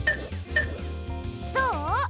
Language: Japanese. どう？